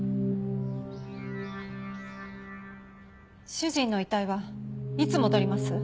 主人の遺体はいつ戻ります？